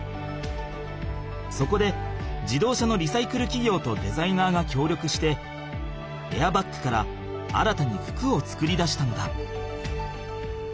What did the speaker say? そこで自動車のリサイクルきぎょうとデザイナーがきょうりょくしてエアバッグから新たに服を作り出したのだ。